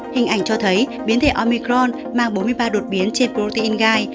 hình ảnh cho thấy biến thể omicron mang bốn mươi ba đột biến trên protein gai